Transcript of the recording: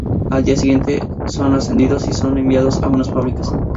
Al Día Siguiente son ascendidos y son enviados a unas Fábricas.